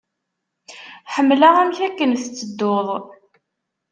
Ḥemmleɣ amek akken tettedduḍ.